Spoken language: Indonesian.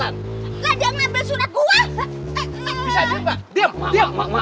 lah jangan nembel surat gua